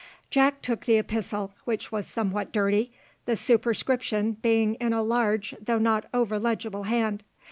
Jack took the epistle, which was somewhat dirty, the superscription being in a large though not over legible hand.